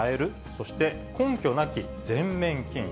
そして、根拠なき全面禁輸。